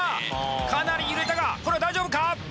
かなり揺れたがこれは大丈夫か？